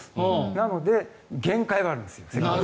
なので、限界があるんですよ赤道は。